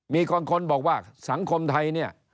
มีคนบอกว่าสังคมไทยเนี่ย